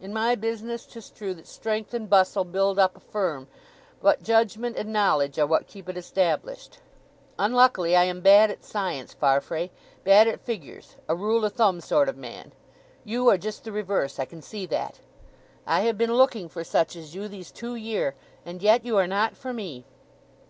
In my business, 'tis true that strength and bustle build up a firm. But judgment and knowledge are what keep it established. Unluckily, I am bad at science, Farfrae; bad at figures—a rule o' thumb sort of man. You are just the reverse—I can see that. I have been looking for such as you these two year, and yet you are not for me.